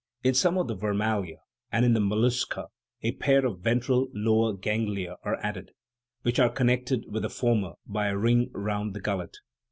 In some of the vermalia and in the mol lusca a pair of ventral "lower ganglia" are added, which are connected with the former by a ring round the gullet.